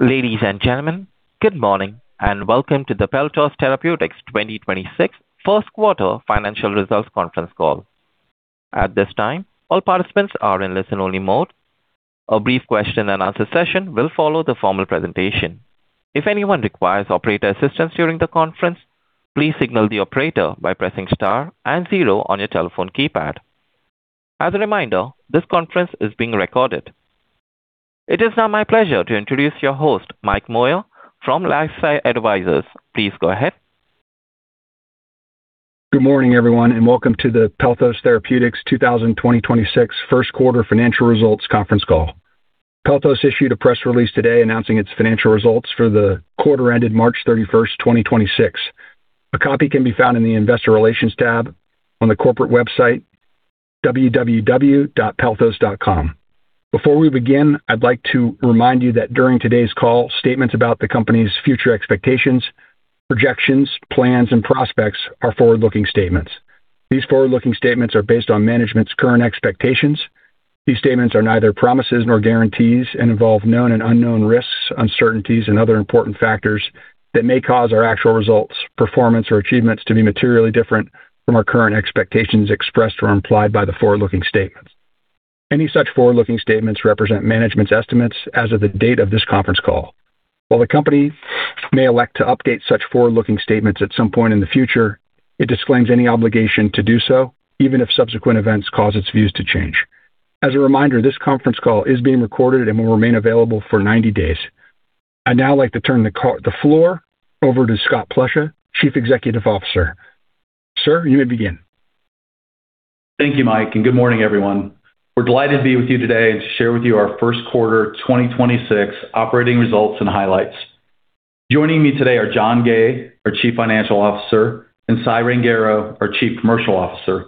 Ladies and gentlemen, good morning, and welcome to the Pelthos Therapeutics 2026 first quarter financial results conference call. At this time, all participants are in listen-only mode. A brief question and answer session will follow the formal presentation. If anyone requires operator assistance during the conference, please signal the operator by pressing star and zero on your telephone keypad. As a reminder, this conference is being recorded. It is now my pleasure to introduce your host, Mike Moyer, from LifeSci Advisors. Please go ahead. Good morning, everyone, and welcome to the Pelthos Therapeutics 2026 first quarter financial results conference call. Pelthos issued a press release today announcing its financial results for the quarter ended March 31st, 2026. A copy can be found in the investor relations tab on the corporate website www.pelthos.com. Before we begin, I'd like to remind you that during today's call, statements about the company's future expectations, projections, plans, and prospects are forward-looking statements. These forward-looking statements are based on management's current expectations. These statements are neither promises nor guarantees and involve known and unknown risks, uncertainties, and other important factors that may cause our actual results, performance, or achievements to be materially different from our current expectations expressed or implied by the forward-looking statements. Any such forward-looking statements represent management's estimates as of the date of this conference call. While the company may elect to update such forward-looking statements at some point in the future, it disclaims any obligation to do so, even if subsequent events cause its views to change. As a reminder, this conference call is being recorded and will remain available for 90 days. I'd now like to turn the floor over to Scott Plesha, Chief Executive Officer. Sir, you may begin. Thank you, Mike. Good morning, everyone. We're delighted to be with you today and to share with you our first quarter 2026 operating results and highlights. Joining me today are John Gay, our Chief Financial Officer, and Sai Rangarao, our Chief Commercial Officer.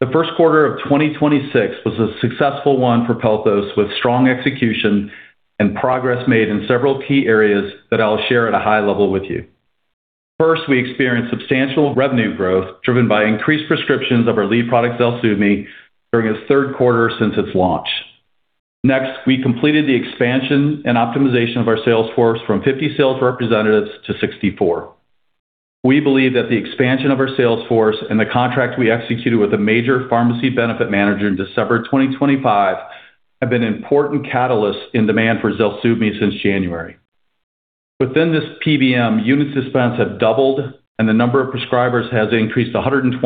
The first quarter of 2026 was a successful one for Pelthos with strong execution and progress made in several key areas that I'll share at a high level with you. First, we experienced substantial revenue growth driven by increased prescriptions of our lead product, ZELSUVMI, during its third quarter since its launch. Next, we completed the expansion and optimization of our sales force from 50 sales representatives to 64. We believe that the expansion of our sales force and the contract we executed with a major pharmacy benefit manager in December 2025 have been important catalysts in demand for ZELSUVMI since January. Within this PBM, unit dispense have doubled, and the number of prescribers has increased 121%.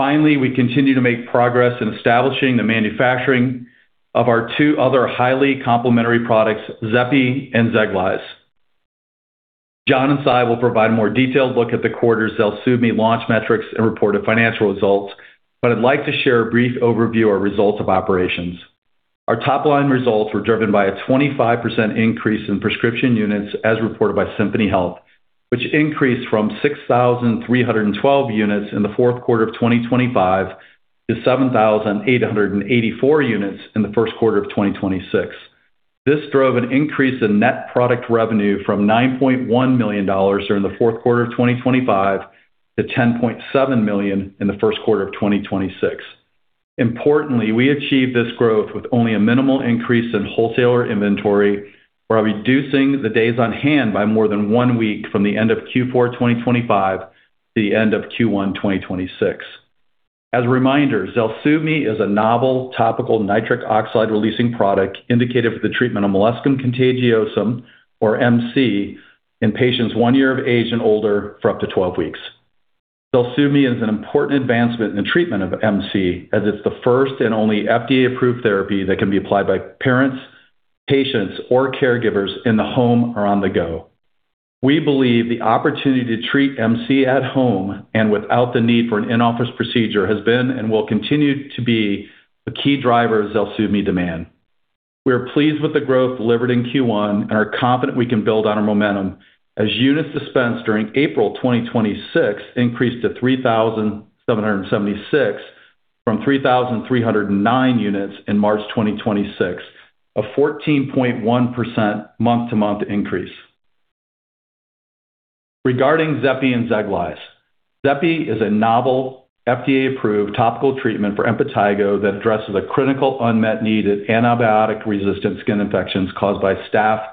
Finally, we continue to make progress in establishing the manufacturing of our two other highly complementary products, Xepi and Xeglyze. John and Sai will provide a more detailed look at the quarter's ZELSUVMI launch metrics and reported financial results, but I'd like to share a brief overview of results of operations. Our top-line results were driven by a 25% increase in prescription units as reported by Symphony Health, which increased from 6,312 units in the fourth quarter of 2025 to 7,884 units in the first quarter of 2026. This drove an increase in net product revenue from $9.1 million during the fourth quarter of 2025 to $10.7 million in the first quarter of 2026. Importantly, we achieved this growth with only a minimal increase in wholesaler inventory while reducing the days on hand by more than one week from the end of Q4 2025 to the end of Q1 2026. As a reminder, ZELSUVMI is a novel topical nitric oxide-releasing product indicated for the treatment of molluscum contagiosum or MC in patients one year of age and older for up to 12 weeks. ZELSUVMI is an important advancement in the treatment of MC as it's the first and only FDA-approved therapy that can be applied by parents, patients, or caregivers in the home or on the go. We believe the opportunity to treat MC at home and without the need for an in-office procedure has been and will continue to be a key driver of ZELSUVMI demand. We are pleased with the growth delivered in Q1 and are confident we can build on our momentum as units dispensed during April 2026 increased to 3,776 from 3,309 units in March 2026, a 14.1% month-to-month increase. Regarding Xepi and Xeglyze. Xepi is a novel FDA-approved topical treatment for impetigo that addresses a critical unmet need in antibiotic-resistant skin infections caused by staph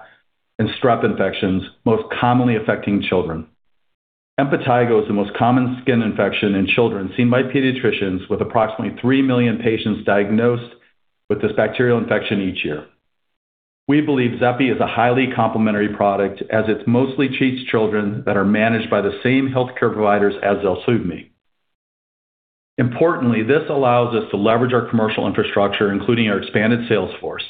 and strep infections, most commonly affecting children. Impetigo is the most common skin infection in children seen by pediatricians with approximately nine million patients diagnosed with this bacterial infection each year. We believe Xepi is a highly complementary product as it mostly treats children that are managed by the same healthcare providers as ZELSUVMI. Importantly, this allows us to leverage our commercial infrastructure, including our expanded sales force.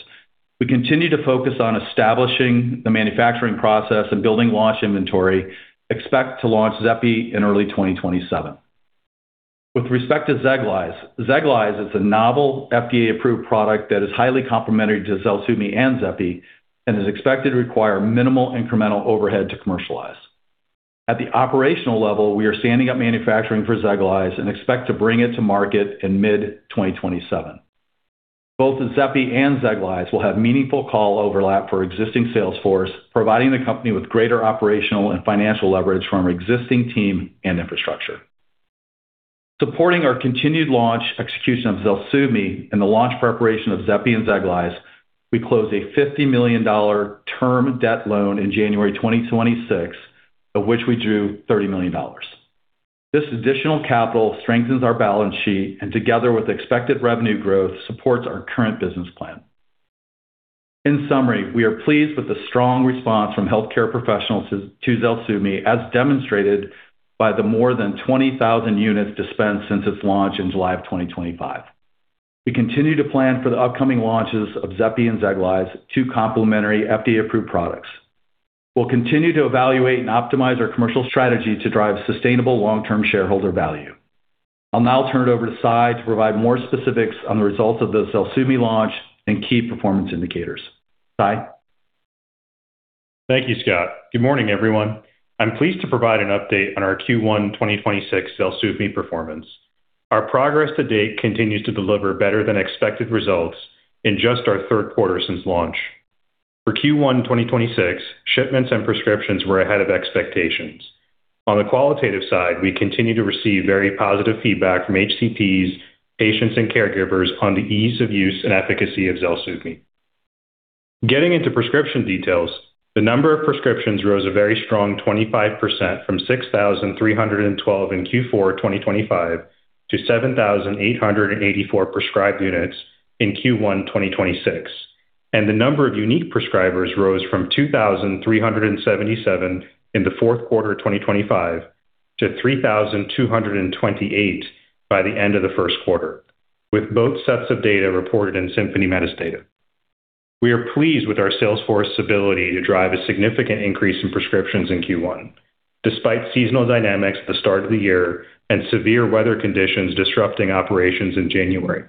We continue to focus on establishing the manufacturing process and building launch inventory. Expect to launch Xepi in early 2027. With respect to Xeglyze. Xeglyze is a novel FDA-approved product that is highly complementary to ZELSUVMI and Xepi and is expected to require minimal incremental overhead to commercialize. At the operational level, we are standing up manufacturing for Xeglyze and expect to bring it to market in mid-2027. Both Xepi and Xeglyze will have meaningful call overlap for existing sales force, providing the company with greater operational and financial leverage from our existing team and infrastructure. Supporting our continued launch execution of ZELSUVMI and the launch preparation of Xepi and Xeglyze, we closed a $50 million term debt loan in January 2026, of which we drew $30 million. This additional capital strengthens our balance sheet and together with expected revenue growth, supports our current business plan. In summary, we are pleased with the strong response from healthcare professionals to ZELSUVMI, as demonstrated by the more than 20,000 units dispensed since its launch in July of 2025. We continue to plan for the upcoming launches of Xepi and Xeglyze, two complementary FDA-approved products. We'll continue to evaluate and optimize our commercial strategy to drive sustainable long-term shareholder value. I'll now turn it over to Sai to provide more specifics on the results of the ZELSUVMI launch and key performance indicators. Sai Rangarao? Thank you, Scott. Good morning, everyone. I'm pleased to provide an update on our Q1 2026 ZELSUVMI performance. Our progress to date continues to deliver better than expected results in just our third quarter since launch. For Q1 2026, shipments and prescriptions were ahead of expectations. On the qualitative side, we continue to receive very positive feedback from HCPs, patients, and caregivers on the ease of use and efficacy of ZELSUVMI. Getting into prescription details, the number of prescriptions rose a very strong 25% from 6,312 in Q4 2025 to 7,884 prescribed units in Q1 2026. The number of unique prescribers rose from 2,377 in the fourth quarter of 2025 to 3,228 by the end of the first quarter, with both sets of data reported in Symphony Health Metys data. We are pleased with our sales force's ability to drive a significant increase in prescriptions in Q1, despite seasonal dynamics at the start of the year and severe weather conditions disrupting operations in January.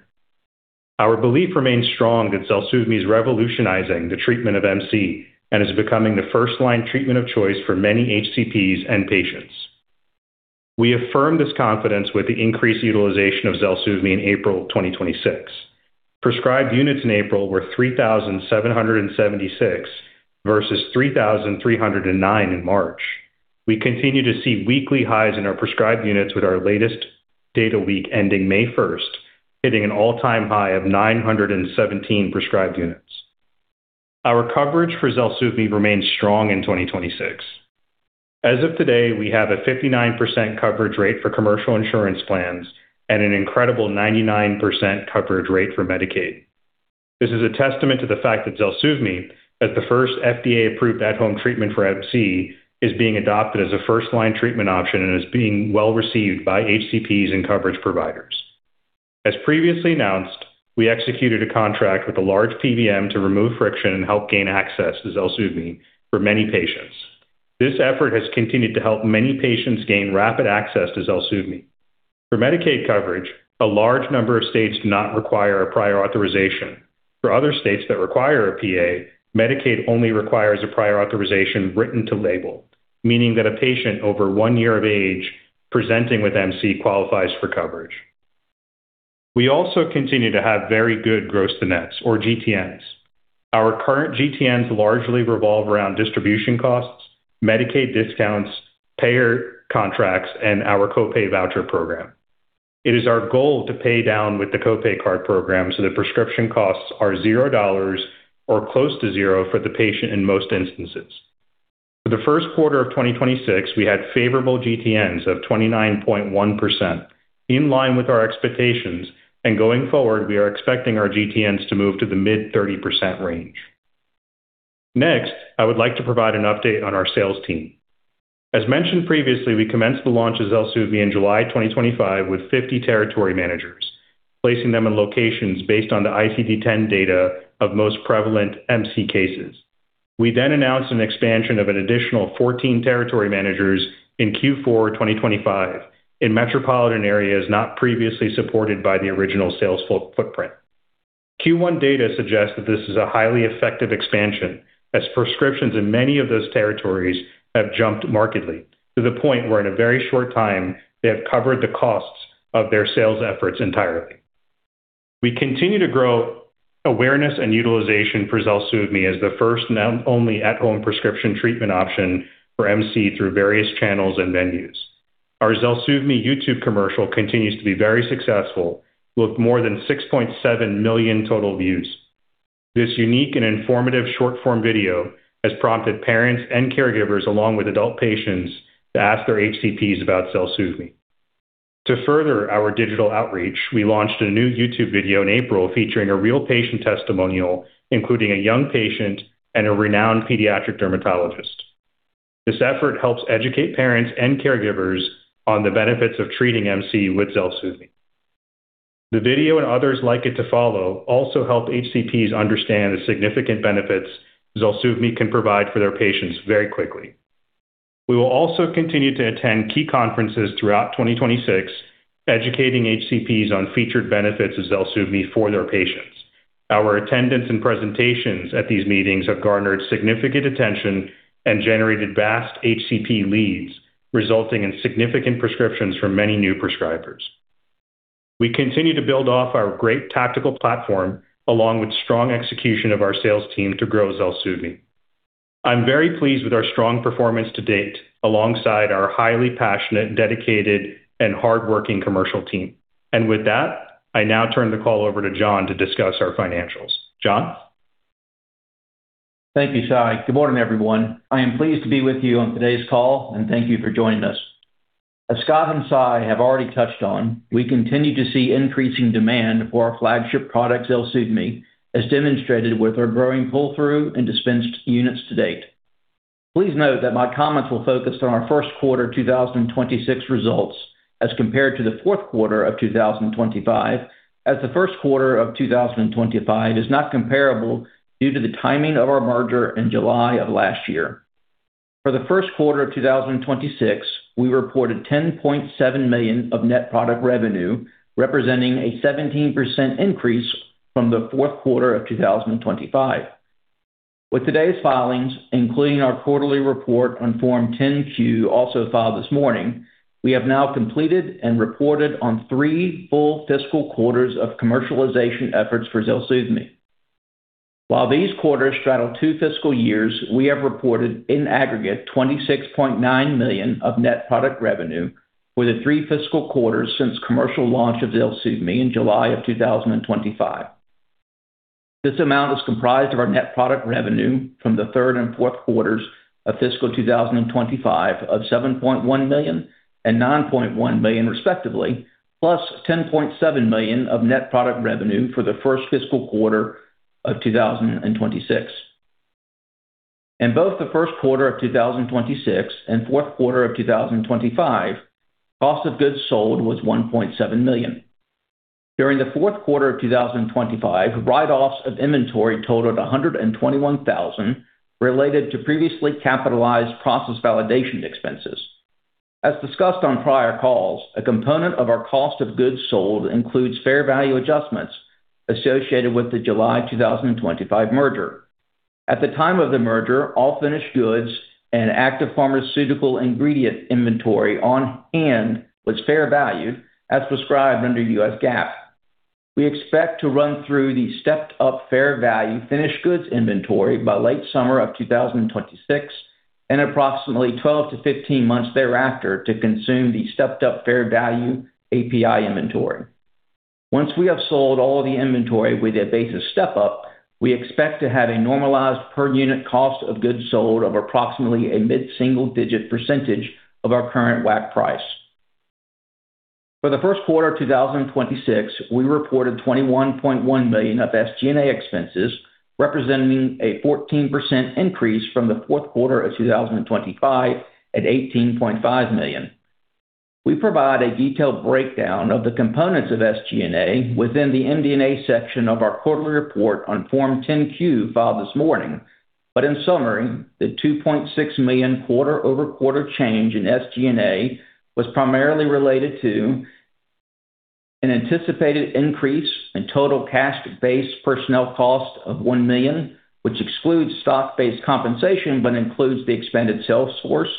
Our belief remains strong that ZELSUVMI is revolutionizing the treatment of MC and is becoming the first-line treatment of choice for many HCPs and patients. We affirm this confidence with the increased utilization of ZELSUVMI in April 2026. Prescribed units in April were 3,776 versus 3,309 in March. We continue to see weekly highs in our prescribed units with our latest data week ending May 1st, hitting an all-time high of 917 prescribed units. Our coverage for ZELSUVMI remains strong in 2026. As of today, we have a 59% coverage rate for commercial insurance plans and an incredible 99% coverage rate for Medicaid. This is a testament to the fact that ZELSUVMI, as the first FDA-approved at-home treatment for MC, is being adopted as a first-line treatment option and is being well-received by HCPs and coverage providers. As previously announced, we executed a contract with a large PBM to remove friction and help gain access to ZELSUVMI for many patients. This effort has continued to help many patients gain rapid access to ZELSUVMI. For Medicaid coverage, a large number of states do not require a prior authorization. For other states that require a PA, Medicaid only requires a prior authorization written to label, meaning that a patient over one year of age presenting with MC qualifies for coverage. We also continue to have very good Gross-to-Nets or GTNs. Our current GTNs largely revolve around distribution costs, Medicaid discounts, payer contracts, and our co-pay voucher program. It is our goal to pay down with the co-pay card program so that prescription costs are $0 or close to $0 for the patient in most instances. For the first quarter of 2026, we had favorable GTNs of 29.1%, in line with our expectations, and going forward, we are expecting our GTNs to move to the mid-30% range. I would like to provide an update on our sales team. As mentioned previously, we commenced the launch of ZELSUVMI in July 2025 with 50 territory managers, placing them in locations based on the ICD-10 data of most prevalent MC cases. We announced an expansion of an additional 14 territory managers in Q4 2025 in metropolitan areas not previously supported by the original sales footprint. Q1 data suggests that this is a highly effective expansion as prescriptions in many of those territories have jumped markedly to the point where in a very short time they have covered the costs of their sales efforts entirely. We continue to grow awareness and utilization for ZELSUVMI as the first and only at-home prescription treatment option for MC through various channels and venues. Our ZELSUVMI YouTube commercial continues to be very successful with more than 6.7 million total views. This unique and informative short-form video has prompted parents and caregivers along with adult patients to ask their HCPs about ZELSUVMI. To further our digital outreach, we launched a new YouTube video in April featuring a real patient testimonial, including a young patient and a renowned pediatric dermatologist. This effort helps educate parents and caregivers on the benefits of treating MC with ZELSUVMI. The video and others like it to follow also help HCPs understand the significant benefits ZELSUVMI can provide for their patients very quickly. We will also continue to attend key conferences throughout 2026, educating HCPs on featured benefits of ZELSUVMI for their patients. Our attendance and presentations at these meetings have garnered significant attention and generated vast HCP leads, resulting in significant prescriptions from many new prescribers. We continue to build off our great tactical platform along with strong execution of our sales team to grow Xeglyze. I'm very pleased with our strong performance to date alongside our highly passionate, dedicated, and hardworking commercial team. With that, I now turn the call over to John to discuss our financials. John? Thank you, Sai. Good morning, everyone. I am pleased to be with you on today's call, and thank you for joining us. As Scott and Sai have already touched on, we continue to see increasing demand for our flagship product, ZELSUVMI, as demonstrated with our growing pull-through and dispensed units to date. Please note that my comments will focus on our first quarter 2026 results as compared to the fourth quarter of 2025, as the first quarter of 2025 is not comparable due to the timing of our merger in July of last year. For the first quarter of 2026, we reported $10.7 million of net product revenue, representing a 17% increase from the fourth quarter of 2025. With today's filings, including our quarterly report on Form 10-Q also filed this morning, we have now completed and reported on three full fiscal quarters of commercialization efforts for ZELSUVMI. While these quarters straddle two fiscal years, we have reported in aggregate $26.9 million of net product revenue for the three fiscal quarters since commercial launch of ZELSUVMI in July of 2025. This amount is comprised of our net product revenue from the third and fourth quarters of fiscal 2025 of $7.1 million and $9.1 million respectively, plus $10.7 million of net product revenue for the first fiscal quarter of 2026. In both the first quarter of 2026 and fourth quarter of 2025, cost of goods sold was $1.7 million. During the fourth quarter of 2025, write-offs of inventory totaled $121,000 related to previously capitalized process validation expenses. As discussed on prior calls, a component of our cost of goods sold includes fair value adjustments associated with the July 2025 merger. At the time of the merger, all finished goods and active pharmaceutical ingredient inventory on hand was fair value as prescribed under U.S. GAAP. We expect to run through the stepped-up fair value finished goods inventory by late summer of 2026 and approximately 12-15 months thereafter to consume the stepped-up fair value API inventory. Once we have sold all the inventory with a basis step-up, we expect to have a normalized per unit cost of goods sold of approximately a mid-single digit percentage of our current WAC price. For the first quarter of 2026, we reported $21.1 million of SG&A expenses, representing a 14% increase from the fourth quarter of 2025 at $18.5 million. We provide a detailed breakdown of the components of SG&A within the MD&A section of our quarterly report on Form 10-Q filed this morning. In summary, the $2.6 million quarter-over-quarter change in SG&A was primarily related to an anticipated increase in total cash base personnel cost of $1 million, which excludes stock-based compensation but includes the expanded sales force,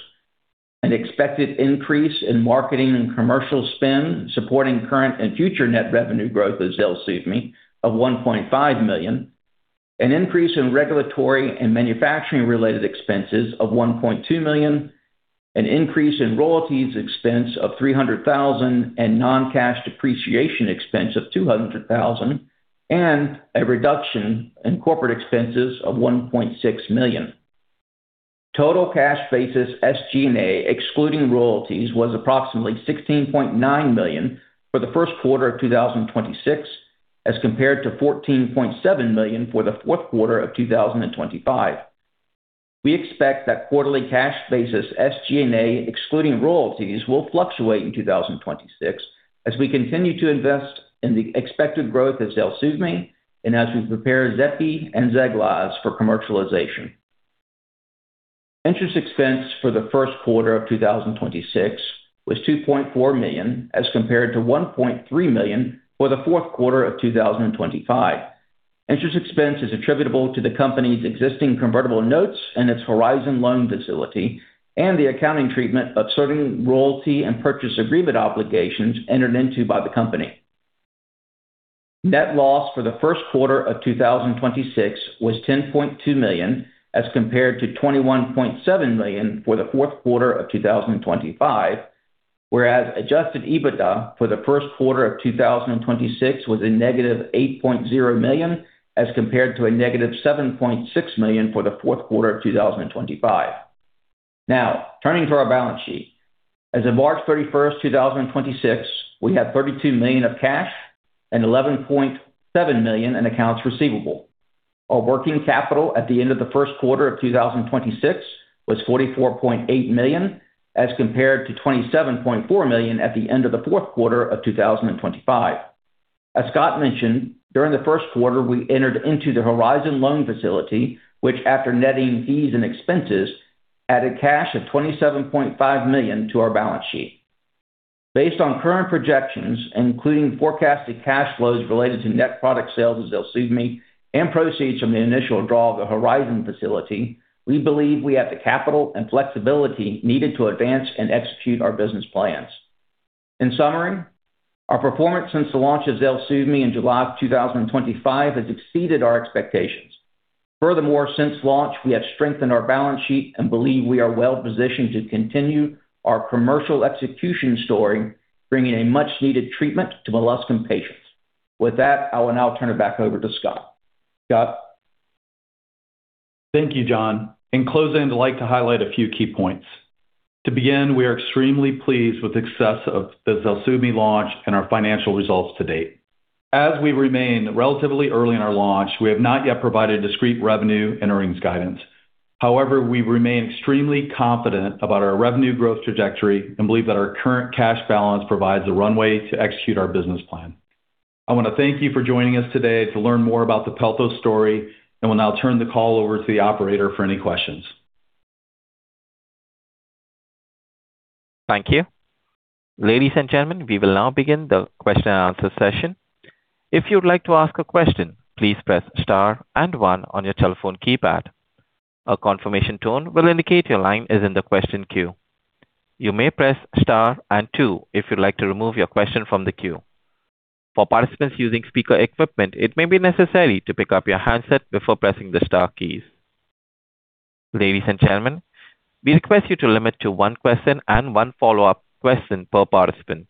an expected increase in marketing and commercial spend supporting current and future net revenue growth of ZELSUVMI of $1.5 million, an increase in regulatory and manufacturing related expenses of $1.2 million, an increase in royalties expense of $300,000, and non-cash depreciation expense of $200,000, and a reduction in corporate expenses of $1.6 million. Total cash basis SG&A, excluding royalties, was approximately $16.9 million for the first quarter of 2026 as compared to $14.7 million for the fourth quarter of 2025. We expect that quarterly cash basis SG&A, excluding royalties, will fluctuate in 2026 as we continue to invest in the expected growth of ZELSUVMI and as we prepare Xepi and Xeglyze for commercialization. Interest expense for the first quarter of 2026 was $2.4 million as compared to $1.3 million for the fourth quarter of 2025. Interest expense is attributable to the company's existing convertible notes and its Horizon loan facility and the accounting treatment of certain royalty and purchase agreement obligations entered into by the company. Net loss for the first quarter of 2026 was $10.2 million as compared to $21.7 million for the fourth quarter of 2025. Whereas adjusted EBITDA for the first quarter of 2026 was a -$8.0 million as compared to a -$7.6 million for the fourth quarter of 2025. Now turning to our balance sheet. As of March 31st, 2026, we have $32 million of cash and $11.7 million in accounts receivable. Our working capital at the end of the first quarter of 2026 was $44.8 million as compared to $27.4 million at the end of the fourth quarter of 2025. As Scott mentioned, during the first quarter, we entered into the Horizon loan facility, which after netting fees and expenses, added cash of $27.5 million to our balance sheet. Based on current projections, including forecasted cash flows related to net product sales of Xeglyze and proceeds from the initial draw of the Horizon facility, we believe we have the capital and flexibility needed to advance and execute our business plans. In summary, our performance since the launch of ZELSUVMI in July of 2025 has exceeded our expectations. Furthermore, since launch, we have strengthened our balance sheet and believe we are well-positioned to continue our commercial execution story, bringing a much-needed treatment to molluscum patients. With that, I will now turn it back over to Scott. Scott? Thank you, John. In closing, I'd like to highlight a few key points. To begin, we are extremely pleased with the success of the ZELSUVMI launch and our financial results to date. As we remain relatively early in our launch, we have not yet provided discrete revenue and earnings guidance. However, we remain extremely confident about our revenue growth trajectory and believe that our current cash balance provides the runway to execute our business plan. I wanna thank you for joining us today to learn more about the Pelthos story, and will now turn the call over to the operator for any questions. Thank you. Ladies and gentlemen, we will now begin the question and answer session. If you'd like to ask a question, please press star and one on your telephone keypad. A confirmation tone will indicate your line is in the question queue. You may press star and two if you'd like to remove your question from the queue. For participants using speaker equipment, it may be necessary to pick up your handset before pressing the star keys. Ladies and gentlemen, we request you to limit to one question and one follow-up question per participant.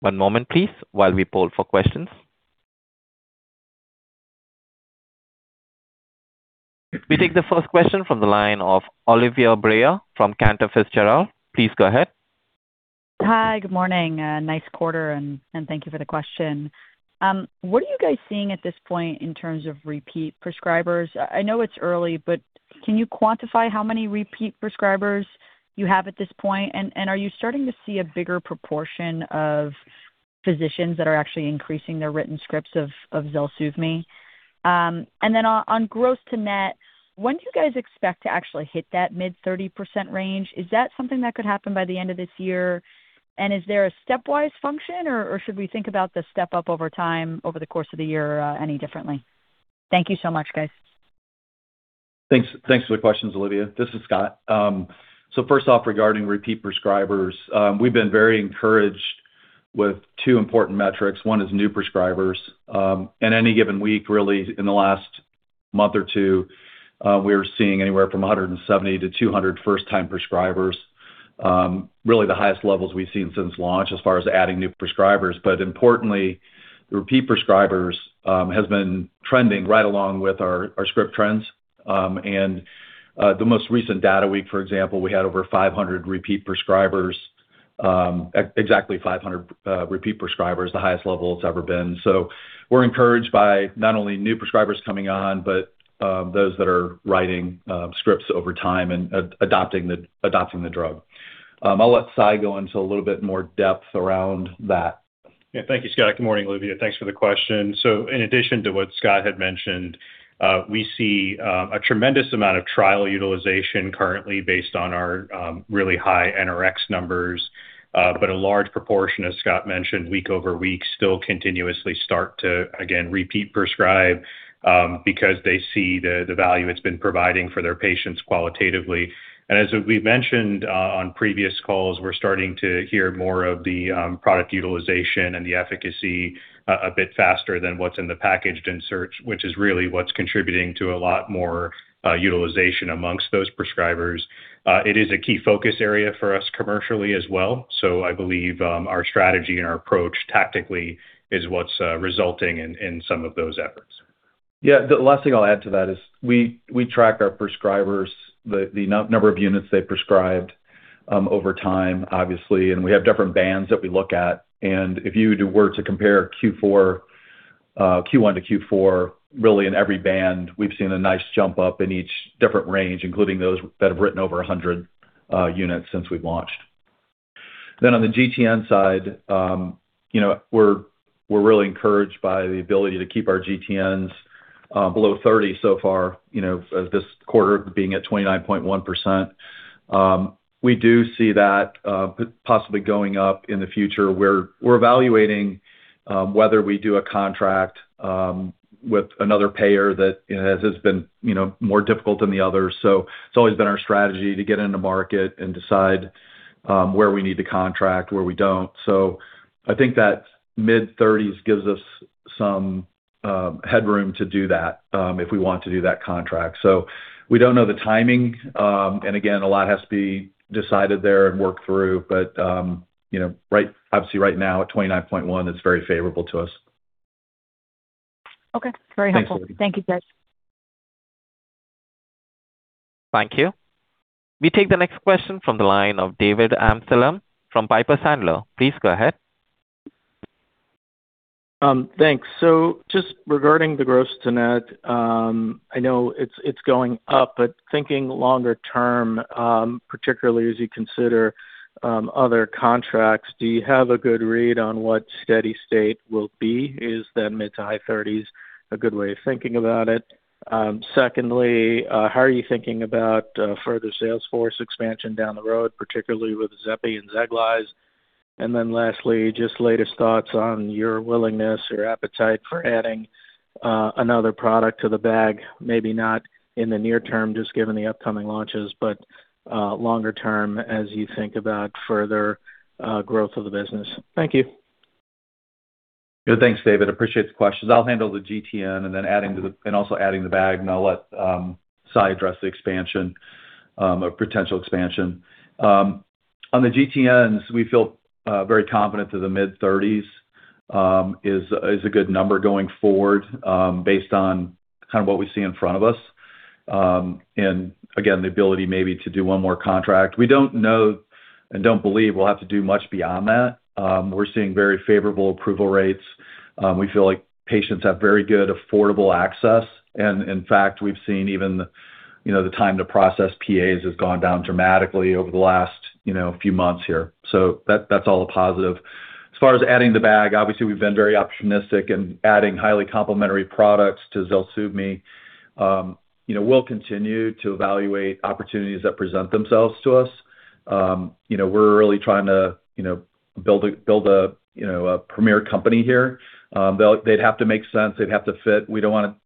One moment, please, while we poll for questions. We take the first question from the line of Olivia Brayer from Cantor Fitzgerald. Please go ahead. Hi. Good morning, nice quarter, and thank you for the question. What are you guys seeing at this point in terms of repeat prescribers? I know it's early, but can you quantify how many repeat prescribers you have at this point? Are you starting to see a bigger proportion of physicians that are actually increasing their written scripts of ZELSUVMI? On Gross-to-Net, when do you guys expect to actually hit that mid-30% range? Is that something that could happen by the end of this year? Is there a stepwise function, or should we think about the step up over time over the course of the year, any differently? Thank you so much, guys. Thanks for the questions, Olivia. This is Scott. First off, regarding repeat prescribers, we've been very encouraged with two important metrics. One is new prescribers. In any given week, really in the last month or two, we are seeing anywhere from 170 to 200 first-time prescribers. Really the highest levels we've seen since launch as far as adding new prescribers. Importantly, repeat prescribers has been trending right along with our script trends. The most recent data week, for example, we had over 500 repeat prescribers. Exactly 500 repeat prescribers, the highest level it's ever been. We're encouraged by not only new prescribers coming on, but those that are writing scripts over time and adopting the drug. I'll let Sai go into a little bit more depth around that. Yeah. Thank you, Scott. Good morning, Olivia. Thanks for the question. In addition to what Scott had mentioned, we see a tremendous amount of trial utilization currently based on our really high NRx numbers. A large proportion, as Scott mentioned, week over week, still continuously start to again repeat prescribe because they see the value it's been providing for their patients qualitatively. As we've mentioned on previous calls, we're starting to hear more of the product utilization and the efficacy a bit faster than what's in the packaged insert, which is really what's contributing to a lot more utilization amongst those prescribers. It is a key focus area for us commercially as well. I believe our strategy and our approach tactically is what's resulting in some of those efforts. The last thing I'll add to that is we track our prescribers, the number of units they prescribed, over time, obviously, and we have different bands that we look at. If you were to compare Q1 to Q4, really in every band, we've seen a nice jump up in each different range, including those that have written over 100 units since we've launched. On the GTN side, you know, we're really encouraged by the ability to keep our GTNs below 30% so far, you know, this quarter being at 29.1%. We do see that possibly going up in the future. We're evaluating whether we do a contract with another payer that has been, you know, more difficult than the others. It's always been our strategy to get into market and decide where we need to contract, where we don't. I think that mid-30s% gives us some headroom to do that if we want to do that contract. We don't know the timing, and again, a lot has to be decided there and worked through. You know, obviously right now at 29.1, it's very favorable to us. Okay. Very helpful. Thanks, Olivia. Thank you, guys. Thank you. We take the next question from the line of David Amsellem from Piper Sandler. Please go ahead. Thanks. Just regarding the Gross-to-Net, I know it's going up, but thinking longer term, particularly as you consider, other contracts, do you have a good read on what steady-state will be? Is the mid-to-high 30s% a good way of thinking about it? Secondly, how are you thinking about further sales force expansion down the road, particularly with Xepi and Xeglyze? Lastly, just latest thoughts on your willingness or appetite for adding another product to the bag. Maybe not in the near term, just given the upcoming launches, but longer term as you think about further growth of the business. Thank you. Good. Thanks, David. Appreciate the questions. I'll handle the GTN and then adding to the bag, and I'll let Sai address the expansion or potential expansion. On the GTNs, we feel very confident that the mid-30s% is a good number going forward, based on kind of what we see in front of us. And again, the ability maybe to do one more contract. We don't know and don't believe we'll have to do much beyond that. We're seeing very favorable approval rates. We feel like patients have very good affordable access. In fact, we've seen even, you know, the time to process PAs has gone down dramatically over the last, you know, few months here. That's all a positive. As far as adding the bag, obviously, we've been very optimistic in adding highly complementary products to ZELSUVMI. You know, we'll continue to evaluate opportunities that present themselves to us. You know, we're really trying to, you know, build a, you know, a premier company here. They'd have to make sense. They'd have to fit. We don't want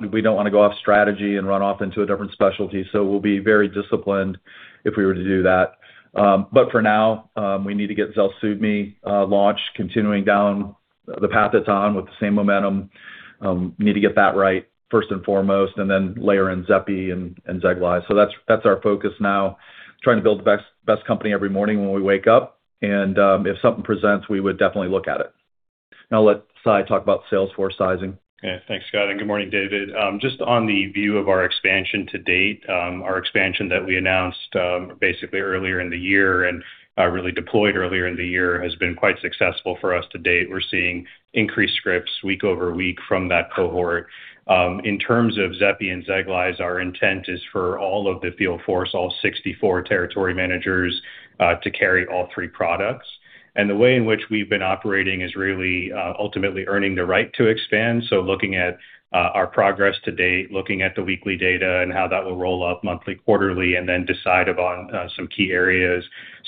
to go off strategy and run off into a different specialty, we'll be very disciplined if we were to do that. For now, we need to get ZELSUVMI, launched, continuing down the path it's on with the same momentum. Need to get that right first and foremost, then layer in Xepi and Xeglyze. That's our focus now, trying to build the best company every morning when we wake up. If something presents, we would definitely look at it. I'll let Sai talk about sales force sizing. Yeah. Thanks, Scott, and good morning, David. Just on the view of our expansion to date, our expansion that we announced, basically earlier in the year and really deployed earlier in the year has been quite successful for us to date. We're seeing increased scripts week over week from that cohort. In terms of Xepi and Xeglyze, our intent is for all of the field force, all 64 territory managers, to carry all three products. And the way in which we've been operating is really ultimately earning the right to expand. Looking at our progress to date, looking at the weekly data and how that will roll up monthly, quarterly, and then decide upon some key areas.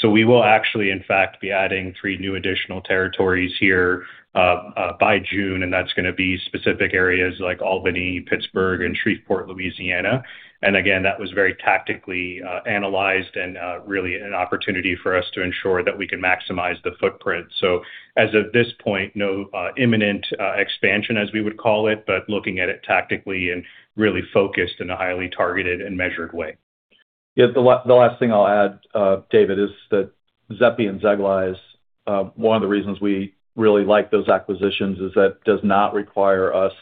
We will actually, in fact, be adding three new additional territories here by June, and that's going to be specific areas like Albany, Pittsburgh, and Shreveport, Louisiana. Again, that was very tactically analyzed and really an opportunity for us to ensure that we can maximize the footprint. As of this point, no imminent expansion as we would call it, but looking at it tactically and really focused in a highly targeted and measured way. The last thing I'll add, David, is that Xepi and Xeglyze, one of the reasons we really like those acquisitions is that does not require us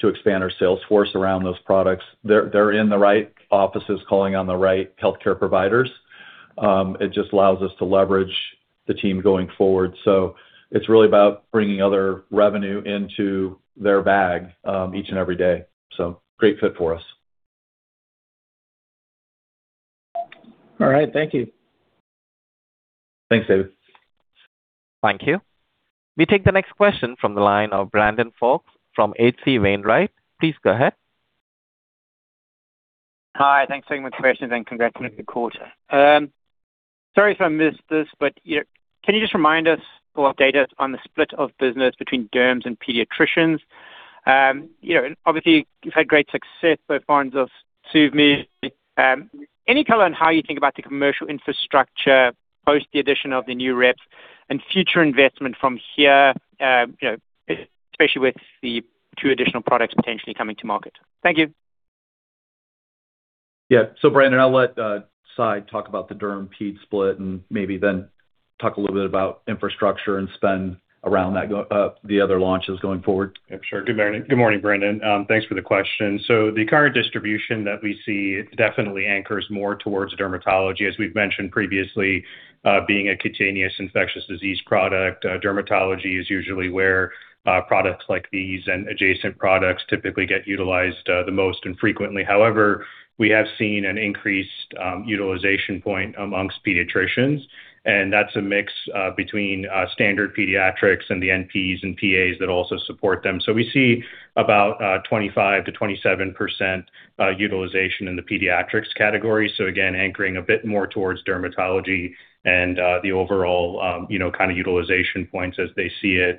to expand our sales force around those products. They're in the right offices, calling on the right healthcare providers. It just allows us to leverage the team going forward. So it's really about bringing other revenue into their bag, each and every day. So great fit for us. All right. Thank you. Thanks, David. Thank you. We take the next question from the line of Brandon Folkes from H.C. Wainwright. Please go ahead. Hi. Thanks for taking my questions, and congratulations on the quarter. Sorry if I missed this, you know, can you just remind us or update us on the split of business between derms and pediatricians? You know, obviously, you've had great success so far with Xeglyze. Any color on how you think about the commercial infrastructure post the addition of the new reps and future investment from here, you know, especially with the two additional products potentially coming to market? Thank you. Yeah. Brandon, I'll let Sai talk about the derm ped split and maybe then talk a little bit about infrastructure and spend around that the other launches going forward. Yeah, sure. Good morning. Good morning, Brandon. Thanks for the question. The current distribution that we see definitely anchors more towards dermatology, as we've mentioned previously, being a cutaneous infectious disease product. Dermatology is usually where products like these and adjacent products typically get utilized the most and frequently. However, we have seen an increased utilization point amongst pediatricians, and that's a mix between standard pediatrics and the NPs and PAs that also support them. We see about 25%-27% utilization in the pediatrics category. Again, anchoring a bit more towards dermatology and the overall, you know, kind of utilization points as they see it.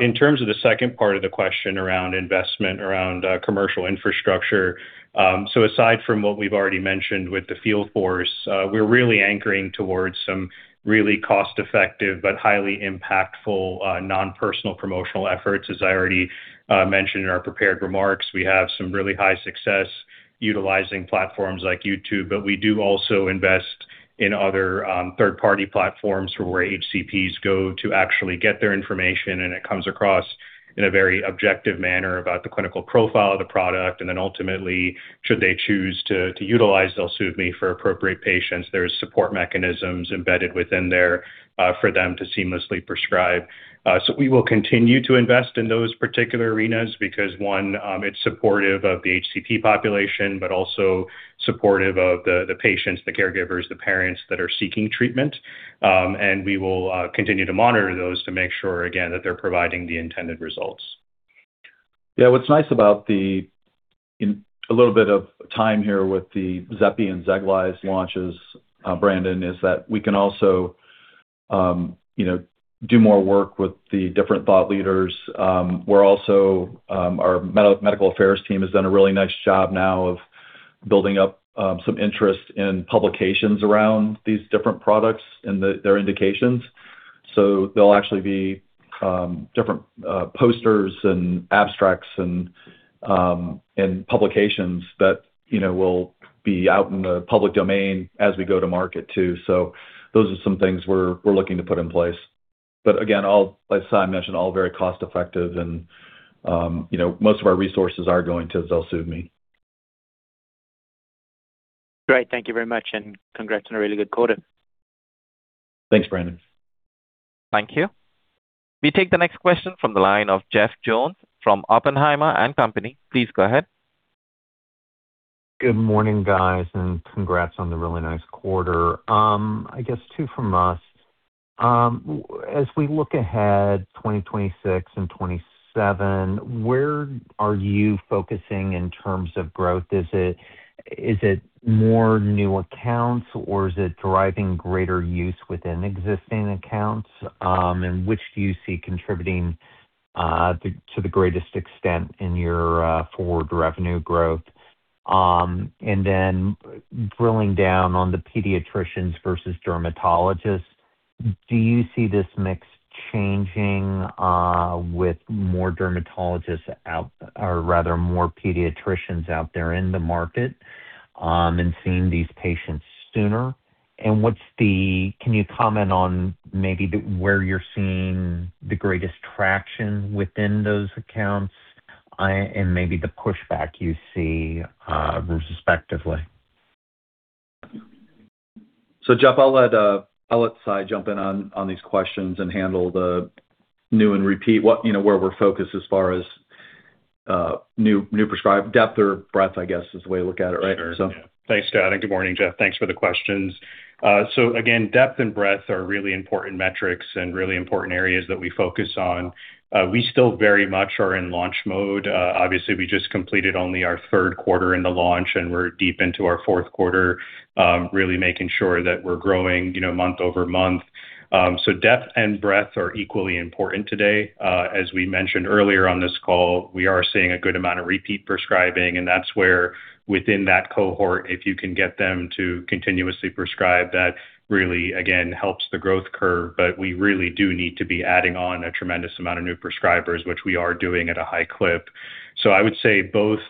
In terms of the second part of the question around investment, around commercial infrastructure, aside from what we've already mentioned with the field force, we're really anchoring towards some really cost-effective but highly impactful non-personal promotional efforts. As I already mentioned in our prepared remarks, we have some really high success utilizing platforms like YouTube, but we do also invest in other third-party platforms for where HCPs go to actually get their information, and it comes across in a very objective manner about the clinical profile of the product. Ultimately, should they choose to utilize Xeglyze for appropriate patients, there's support mechanisms embedded within there for them to seamlessly prescribe. We will continue to invest in those particular arenas because one, it's supportive of the HCP population, but also supportive of the patients, the caregivers, the parents that are seeking treatment. We will continue to monitor those to make sure, again, that they're providing the intended results. Yeah. What's nice about the little bit of time here with the Xepi and Xeglyze launches, Brandon, is that we can also, you know, do more work with the different thought leaders. We're also, our medical affairs team has done a really nice job now of building up some interest in publications around these different products and their indications. They'll actually be different posters and abstracts and publications that, you know, will be out in the public domain as we go to market too. Those are some things we're looking to put in place. Again, all, as Sai mentioned, all very cost-effective and, you know, most of our resources are going to ZELSUVMI. Great. Thank you very much, and congrats on a really good quarter. Thanks, Brandon. Thank you. We take the next question from the line of Jeff Jones from Oppenheimer & Co.. Please go ahead. Good morning, guys, and congrats on the really nice quarter. I guess two from us. As we look ahead 2026 and 2027, where are you focusing in terms of growth? Is it, is it more new accounts, or is it deriving greater use within existing accounts? Which do you see contributing to the greatest extent in your forward revenue growth? Then drilling down on the pediatricians versus dermatologists, do you see this mix changing with more dermatologists or rather more pediatricians out there in the market and seeing these patients sooner? Can you comment on maybe the, where you're seeing the greatest traction within those accounts and maybe the pushback you see, respectively? Jeff, I'll let, I'll let Sai jump in on these questions and handle the new and repeat what, you know, where we're focused as far as, new prescribe depth or breadth, I guess, is the way to look at it, right? Sure. Thanks, Scott. Good morning, Jeff. Thanks for the questions. Again, depth and breadth are really important metrics and really important areas that we focus on. We still very much are in launch mode. Obviously, we just completed only our third quarter in the launch, and we're deep into our fourth quarter, really making sure that we're growing, you know, month-over-month. Depth and breadth are equally important today. As we mentioned earlier on this call, we are seeing a good amount of repeat prescribing, that's where within that cohort, if you can get them to continuously prescribe, that really, again, helps the growth curve. We really do need to be adding on a tremendous amount of new prescribers, which we are doing at a high clip. I would say both,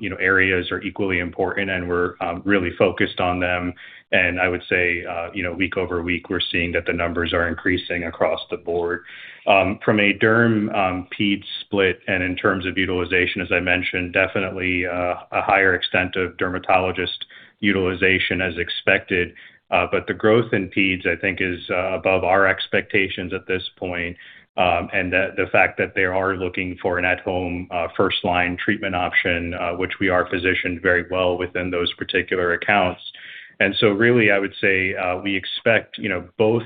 you know, areas are equally important, and we're really focused on them. I would say, you know, week-over-week, we're seeing that the numbers are increasing across the board. From a derm, peds split, and in terms of utilization, as I mentioned, definitely a higher extent of dermatologist utilization as expected. But the growth in peds, I think is above our expectations at this point. And the fact that they are looking for an at-home, first-line treatment option, which we are positioned very well within those particular accounts. Really, I would say, we expect, you know, both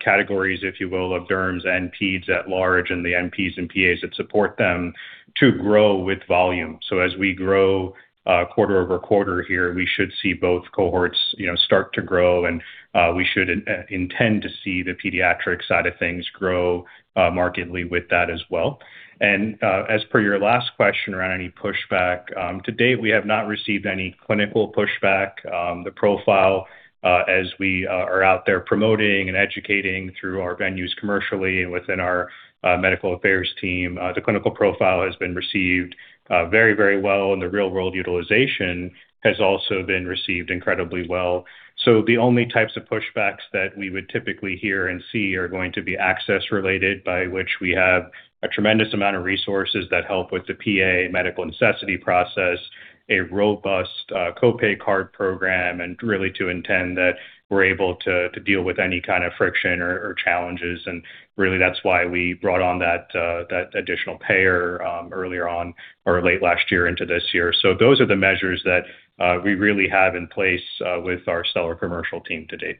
categories, if you will, of derms and peds at large and the NPs and PAs that support them to grow with volume. As we grow, quarter-over-quarter here, we should see both cohorts, you know, start to grow. We should intend to see the pediatric side of things grow markedly with that as well. As per your last question around any pushback, to date, we have not received any clinical pushback. The profile, as we are out there promoting and educating through our venues commercially and within our medical affairs team, the clinical profile has been received very, very well, and the real-world utilization has also been received incredibly well. The only types of pushbacks that we would typically hear and see are going to be access-related, by which we have a tremendous amount of resources that help with the PA medical necessity process, a robust, co-pay card program, and really to intend that we're able to deal with any kind of friction or challenges. Really, that's why we brought on that additional payer earlier on or late last year into this year. Those are the measures that we really have in place with our Pelthos commercial team to date.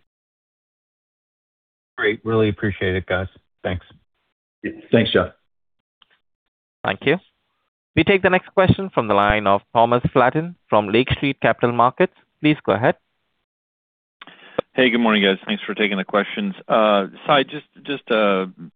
Great. Really appreciate it, guys. Thanks. Thanks, Jeff. Thank you. We take the next question from the line of Thomas Flaten from Lake Street Capital Markets. Please go ahead. Hey, good morning, guys. Thanks for taking the questions. Sai, just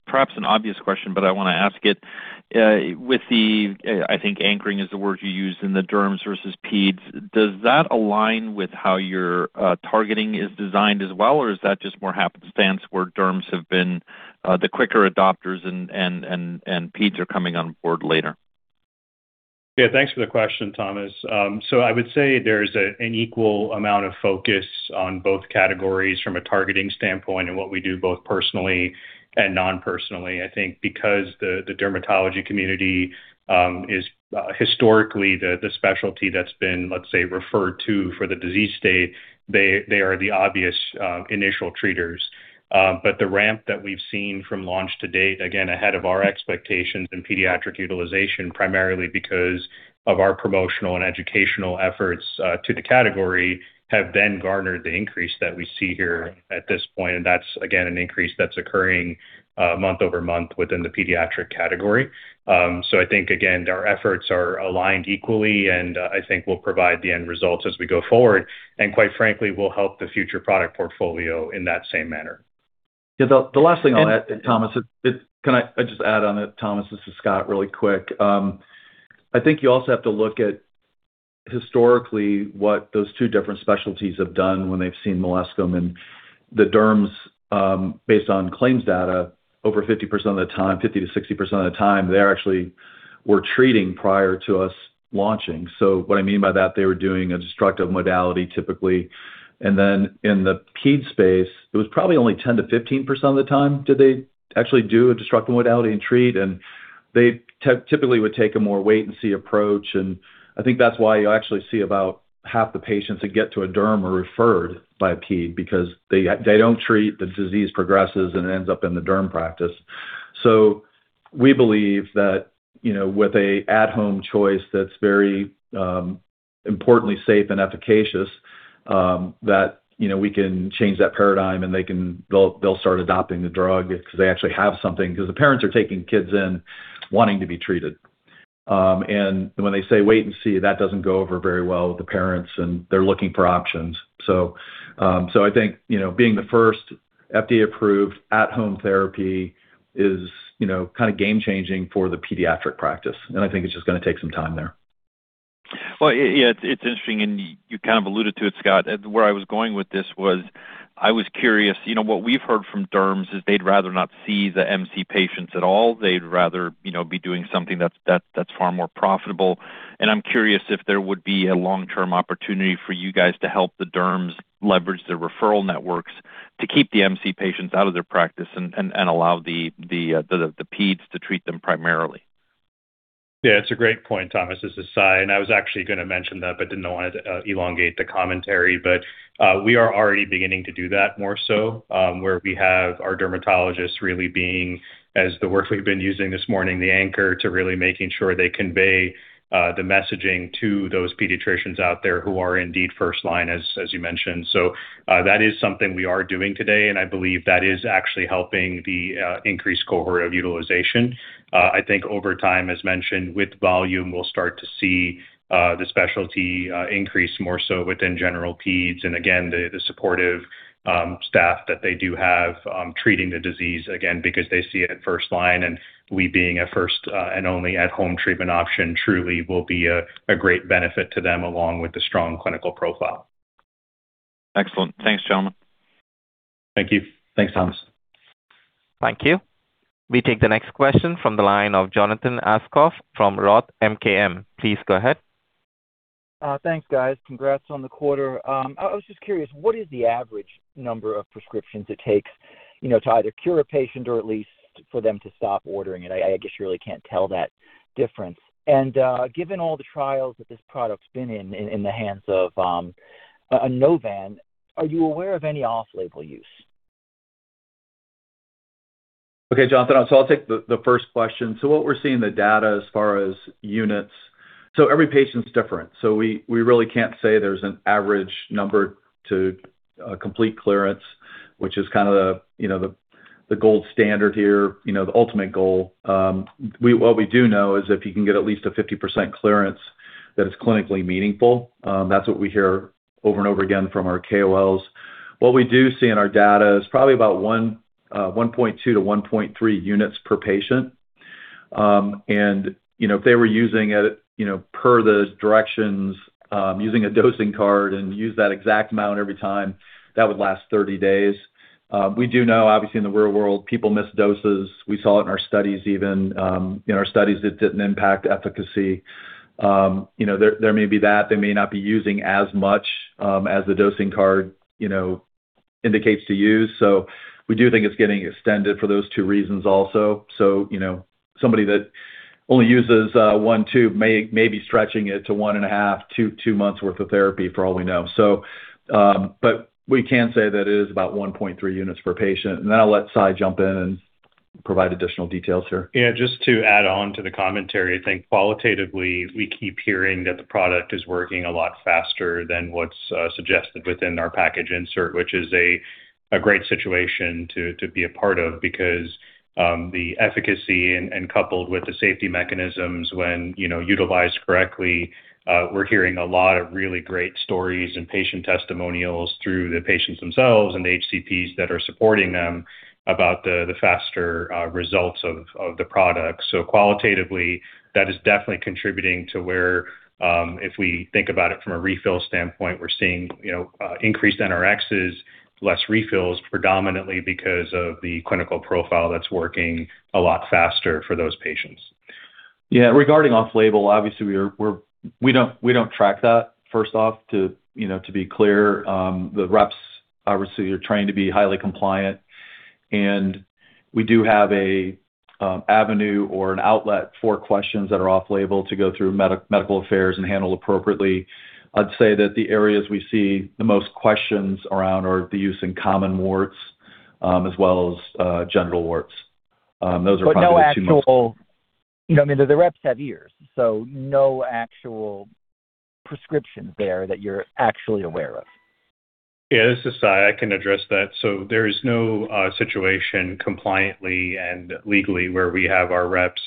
perhaps an obvious question, but I want to ask it. With the, I think anchoring is the word you used in the derms versus peds, does that align with how your targeting is designed as well, or is that just more happenstance where derms have been the quicker adopters and peds are coming on board later? Yeah. Thanks for the question, Thomas. I would say there's an equal amount of focus on both categories from a targeting standpoint and what we do both personally and non-personally. I think because the dermatology community is historically the specialty that's been, let's say, referred to for the disease state, they are the obvious initial treaters. But the ramp that we've seen from launch to date, again, ahead of our expectations in pediatric utilization, primarily because of our promotional and educational efforts to the category, have then garnered the increase that we see here at this point. That's, again, an increase that's occurring month-over-month within the pediatric category. I think, again, our efforts are aligned equally, and I think we'll provide the end results as we go forward, and quite frankly, will help the future product portfolio in that same manner. Yeah, the last thing I'll add, Thomas, Can I just add on it, Thomas? This is Scott, really quick. I think you also have to look at historically what those two different specialties have done when they've seen molluscum, and the derms, based on claims data, over 50% of the time, 50%-60% of the time, they actually were treating prior to us launching. What I mean by that, they were doing a destructive modality typically. In the ped space, it was probably only 10%-15% of the time did they actually do a destructive modality and treat, and they typically would take a more wait and see approach. I think that's why you actually see about half the patients that get to a derm are referred by a ped because they don't treat, the disease progresses, and it ends up in the derm practice. We believe that, you know, with a at-home choice that's very importantly safe and efficacious, that, you know, we can change that paradigm, and they'll start adopting the drug 'cause they actually have something. The parents are taking kids in wanting to be treated. When they say wait and see, that doesn't go over very well with the parents, and they're looking for options. I think, you know, being the first FDA-approved at-home therapy is, you know, kinda game-changing for the pediatric practice. I think it's just gonna take some time there. Well, yeah, it's interesting, and you kind of alluded to it, Scott. Where I was going with this was I was curious. You know, what we've heard from derms is they'd rather not see the MC patients at all. They'd rather, you know, be doing something that's far more profitable. I'm curious if there would be a long-term opportunity for you guys to help the derms leverage their referral networks to keep the MC patients out of their practice and allow the peds to treat them primarily. Yeah. It's a great point, Thomas. This is Sai. I was actually gonna mention that but didn't wanna elongate the commentary. We are already beginning to do that more so, where we have our dermatologists really being, as the word we've been using this morning, the anchor to really making sure they convey the messaging to those pediatricians out there who are indeed first line, as you mentioned. That is something we are doing today, and I believe that is actually helping the increased cohort of utilization. I think over time, as mentioned, with volume, we'll start to see the specialty increase more so within general peds and, again, the supportive staff that they do have, treating the disease, again, because they see it at first line. We being a first and only at-home treatment option truly will be a great benefit to them along with the strong clinical profile. Excellent. Thanks, gentlemen. Thank you. Thanks, Thomas. Thank you. We take the next question from the line of Jonathan Aschoff from Roth MKM. Please go ahead. Thanks, guys. Congrats on the quarter. I was just curious, what is the average number of prescriptions it takes, you know, to either cure a patient or at least for them to stop ordering it? I guess you really can't tell that difference. Given all the trials that this product's been in the hands of a Novan, are you aware of any off-label use? Jonathan. I'll take the first question. What we're seeing in the data as far as units, every patient's different. We really can't say there's an average number to a complete clearance, which is kinda the, you know, the gold standard here, you know, the ultimate goal. What we do know is if you can get at least a 50% clearance, that is clinically meaningful. That's what we hear over and over again from our KOLs. What we do see in our data is probably about 1.2-1.3 units per patient. And, you know, if they were using it, you know, per the directions, using a dosing card and use that exact amount every time, that would last 30 days. We do know, obviously, in the real world, people miss doses. We saw it in our studies even. In our studies, it didn't impact efficacy. You know, there may be that. They may not be using as much as the dosing card, you know, indicates to use. We do think it's getting extended for those two reasons also. You know, somebody that only uses one tube may be stretching it to one and a half, two months worth of therapy for all we know. We can say that it is about 1.3 units per patient. I'll let Sai jump in and provide additional details here. Yeah. Just to add on to the commentary, I think qualitatively, we keep hearing that the product is working a lot faster than what's suggested within our package insert, which is a great situation to be a part of because the efficacy and coupled with the safety mechanisms when, you know, utilized correctly, we're hearing a lot of really great stories and patient testimonials through the patients themselves and the HCPs that are supporting them about the faster results of the product. Qualitatively, that is definitely contributing to where, if we think about it from a refill standpoint, we're seeing, you know, increased NRxs, less refills predominantly because of the clinical profile that's working a lot faster for those patients. Yeah. Regarding off-label, obviously, we don't track that first off, you know, to be clear. The reps, obviously, are trained to be highly compliant. We do have an avenue or an outlet for questions that are off-label to go through medical affairs and handled appropriately. I'd say that the areas we see the most questions around are the use in common warts, as well as genital warts. Those are probably the two most... You know, I mean, the reps have ears, so no actual prescriptions there that you're actually aware of? Yeah. This is Sai. I can address that. There is no situation compliantly and legally where we have our reps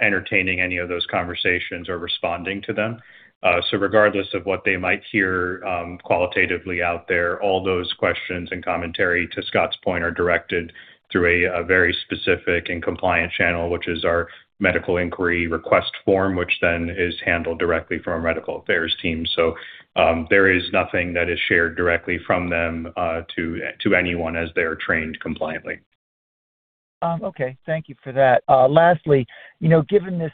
entertaining any of those conversations or responding to them. Regardless of what they might hear qualitatively out there, all those questions and commentary, to Scott's point, are directed through a very specific and compliant channel, which is our medical inquiry request form, which then is handled directly from our medical affairs team. There is nothing that is shared directly from them to anyone as they are trained compliantly. Okay. Thank you for that. Lastly, you know, given this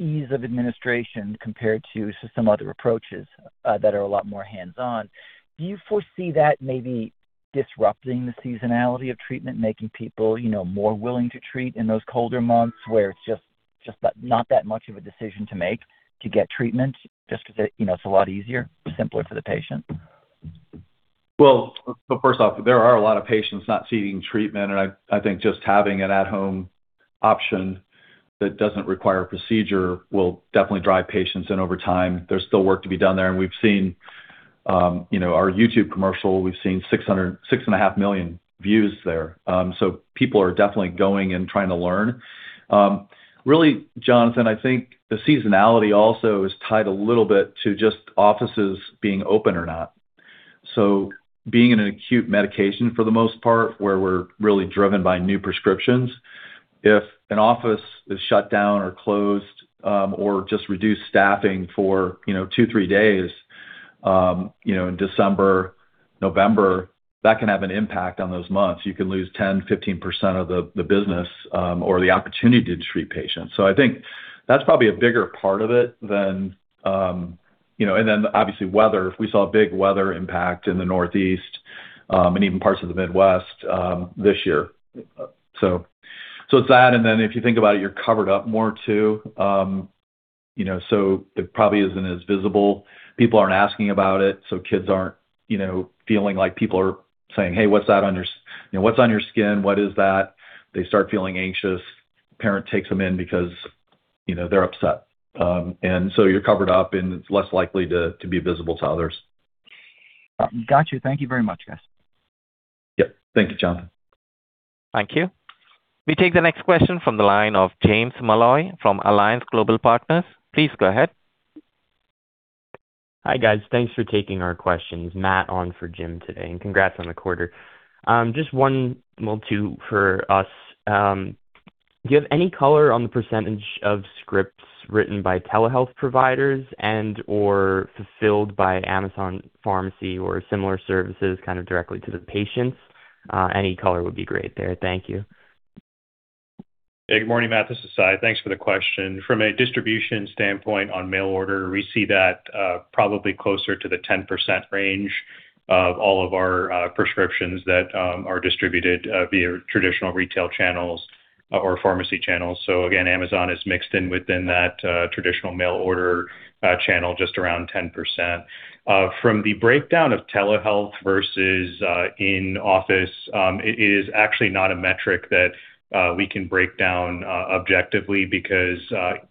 ease of administration compared to some other approaches that are a lot more hands-on, do you foresee that maybe disrupting the seasonality of treatment, making people, you know, more willing to treat in those colder months where it's just not that much of a decision to make to get treatment just 'cause it, you know, it's a lot easier, simpler for the patient? First off, there are a lot of patients not seeking treatment, and I think just having an at home option that doesn't require a procedure will definitely drive patients in over time. There's still work to be done there, and we've seen, you know, our YouTube commercial, we've seen 6.5 million views there. People are definitely going and trying to learn. Really, Jonathan, I think the seasonality also is tied a little bit to just offices being open or not. Being an acute medication for the most part, where we're really driven by new prescriptions, if an office is shut down or closed, or just reduced staffing for, you know, two, three days, you know, in December, November, that can have an impact on those months. You can lose 10%, 15% of the business, or the opportunity to treat patients. I think that's probably a bigger part of it than, you know, and then obviously weather. We saw a big weather impact in the Northeast, and even parts of the Midwest, this year. It's that, and then if you think about it, you're covered up more too. You know, it probably isn't as visible. People aren't asking about it, so kids aren't, you know, feeling like people are saying, "Hey, what's that on your? You know, what's on your skin? What is that?" They start feeling anxious. Parent takes them in because, you know, they're upset. You're covered up and it's less likely to be visible to others. Got you. Thank you very much, guys. Yep. Thank you, Jonathan. Thank you. We take the next question from the line of James Malloy from Alliance Global Partners. Please go ahead. Hi, guys. Thanks for taking our questions. Matt on for Jim today. Congrats on the quarter. Just one, two for us. Do you have any color on the percentage of scripts written by telehealth providers and/or fulfilled by Amazon Pharmacy or similar services kind of directly to the patients? Any color would be great there. Thank you. Good morning, Matt. This is Sai. Thanks for the question. From a distribution standpoint on mail order, we see that probably closer to the 10% range of all of our prescriptions that are distributed via traditional retail channels or pharmacy channels. Again, Amazon is mixed in within that traditional mail order channel, just around 10%. From the breakdown of telehealth versus in office, it is actually not a metric that we can break down objectively because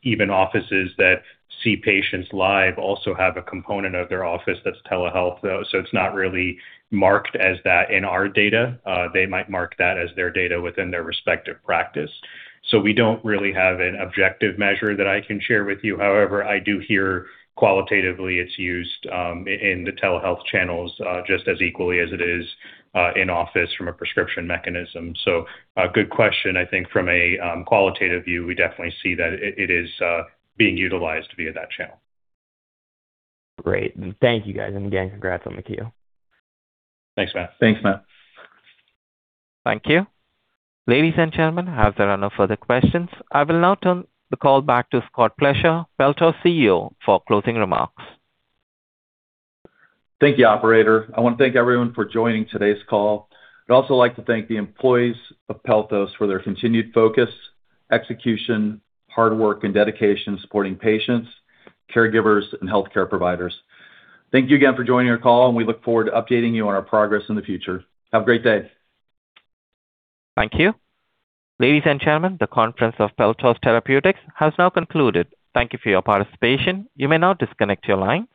even offices that see patients live also have a component of their office that's telehealth though, so it's not really marked as that in our data. They might mark that as their data within their respective practice. We don't really have an objective measure that I can share with you. However, I do hear qualitatively it's used in the telehealth channels, just as equally as it is in office from a prescription mechanism. Good question. I think from a qualitative view, we definitely see that it is being utilized via that channel. Great. Thank you, guys. Again, congrats on the Q. Thanks, Matt. Thanks, Matt. Thank you. Ladies and gentlemen, as there are no further questions, I will now turn the call back to Scott Plesha, Pelthos CEO, for closing remarks. Thank you, operator. I want to thank everyone for joining today's call. I'd also like to thank the employees of Pelthos for their continued focus, execution, hard work, and dedication in supporting patients, caregivers, and healthcare providers. Thank you again for joining our call, and we look forward to updating you on our progress in the future. Have a great day. Thank you. Ladies and gentlemen, the conference of Pelthos Therapeutics has now concluded. Thank you for your participation. You may now disconnect your line.